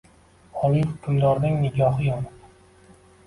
Oliy hukmdorning nigohi yonib